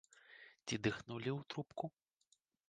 Ці дыхнулі ў трубку?